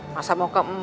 masa mau ke emak